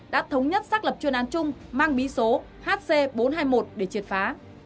đã thống nhất xác lập chuyên án chung mang bí số hc bốn trăm hai mươi một để triệt phá